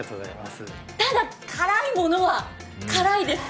ただ、辛いものは辛いです！